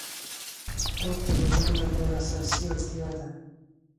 خوب د بدن لپاره اساسي اړتیا ده.